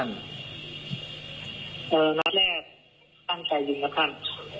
เออนัดแรกตั้งใจยิงครับท่าน